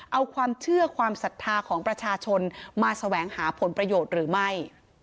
เอาความเชื่อความศรัทธาของประชาชนมาแสวงหาผลประโยชน์หรือไม่